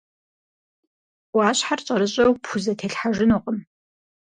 Ӏуащхьэр щӀэрыщӀэу пхузэтелъхьэжынукъым.